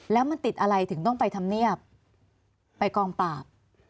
แล้วมันติดอะไรถึงต้องไปทำเนียบไปกองปราบ